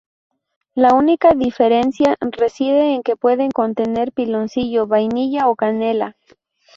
La única diferencia reside en que pueden contener piloncillo, vainilla o canela.